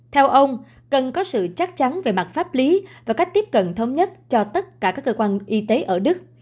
theo ông cần có sự chắc chắn về mặt pháp lý và cách tiếp cận thống nhất cho tất cả các cơ quan y tế ở đức